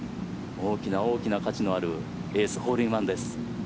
大きな大きな価値のあるエースホールインワンです。